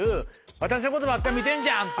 「私のことばっか見てんじゃん」って。